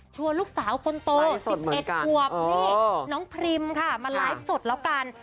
ลูกสาวคนโต๑๑ขวบนี่น้องพรีมค่ะมาไลฟ์สดแล้วกัน